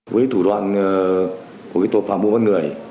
với thủ đoạn của tội phạm mua bán người